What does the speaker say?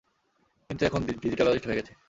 কিন্তু এখন ডিজিটালাইজড হয়ে গেছে।